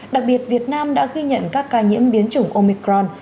đặc biệt việt nam đã ghi nhận các ca nhiễm biến chủng omicron